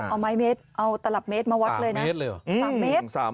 เอาไม้เมตรเอาตลับเมตรมาวัดเลยนะ